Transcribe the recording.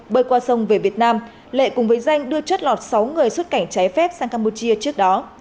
bơi qua sông về việt nam lệ cùng với danh đưa chất lọt sáu người xuất cảnh trái phép sang campuchia trước đó